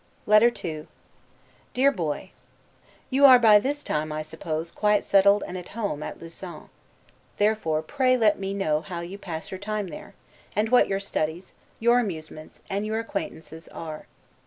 LETTER II DEAR BOY: You are by this time (I suppose) quite settled and at home at Lausanne; therefore pray let me know how you pass your time there, and what your studies, your amusements, and your acquaintances are.